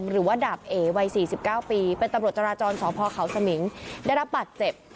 หรือว่าดาบเอวัย๔๙ปีเป็นตำรวจจราจรสพเขาสมิงได้รับบัตรเจ็บ